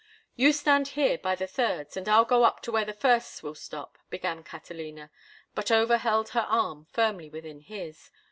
"You stand here by the Thirds and I'll go up to where the Firsts will stop," began Catalina, but Over held her arm firmly within his.